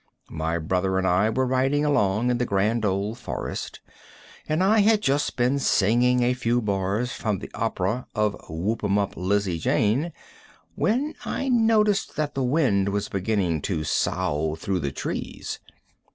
My brother and I were riding along in the grand old forest, and I had just been singing a few bars from the opera of "Whoop 'em Up, Lizzie Jane," when I noticed that the wind was beginning to sough through the trees.